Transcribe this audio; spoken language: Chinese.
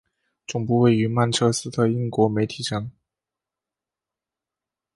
总部位于曼彻斯特的英国媒体城。